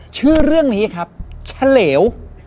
ชื่อเรื่องนี้ครับเฉลว